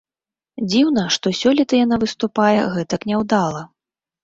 Дзіўна, што сёлета яна выступае гэтак няўдала.